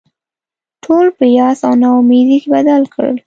ټول په یاس او نا امیدي بدل کړل.